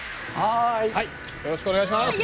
よろしくお願いします。